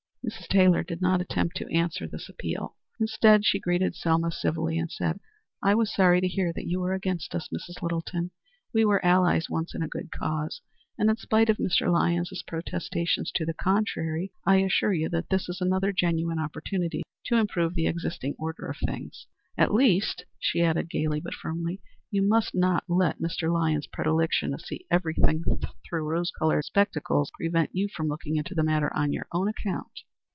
Mrs. Taylor did not attempt to answer this appeal. Instead she greeted Selma civilly, and said, "I was sorry to hear that you were against us, Mrs. Littleton. We were allies once in a good cause, and in spite of Mr. Lyons's protestations to the contrary, I assure you that this is another genuine opportunity to improve the existing order of things. At least," she added, gayly but firmly, "you must not let Mr. Lyons's predilection to see everything through rose colored spectacles prevent you from looking into the matter on your own account."